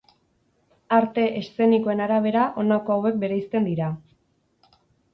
Arte eszenikoen arabera honako hauek bereizten dira.